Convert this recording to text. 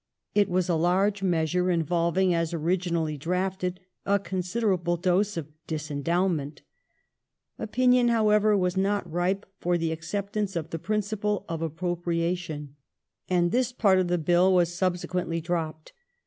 It was a large measure involving, as originally drafted, a considerable dose of " disendowment ". Opinion, however, was not ripe for the acceptance of the principle of "appropriation," 1837] COERCION 113 and this part of the Bill was subsequently dropped.